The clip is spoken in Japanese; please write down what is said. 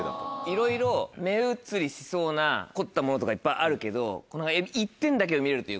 いろいろ目移りしそうな凝ったものとかいっぱいあるけど一点だけを見るというか。